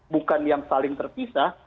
bukan yang saling terpisah